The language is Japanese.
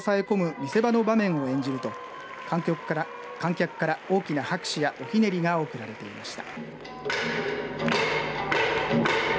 見せ場の場面を演じると観客から大きな拍手やおひねりが送られていました。